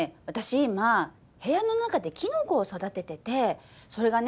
今部屋の中でキノコを育てててそれがね